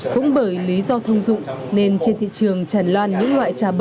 cũng bởi lý do thông dụng nên trên thị trường tràn lan những loại trà bụi